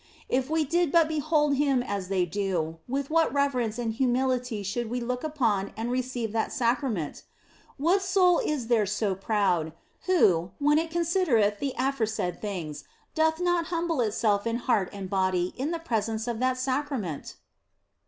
If we did but behold Him as they do, with what reverence and humility should we look upon and receive that Sacrament ! What soul is there so proud, who, when it considereth the aforesaid things, doth not humble itself in heart and body in the presence of that Sacrament